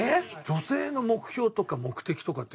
女性の目標とか目的とかって。